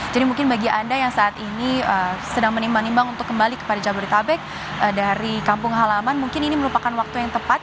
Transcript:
jadi mungkin bagi anda yang saat ini sedang menimbang nimbang untuk kembali kepada jabodetabek dari kampung halaman mungkin ini merupakan waktu yang tepat